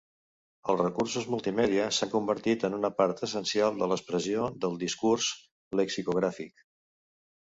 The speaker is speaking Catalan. Els recursos multimèdia s'han convertit en una part essencial de l'expressió del discurs lexicogràfic.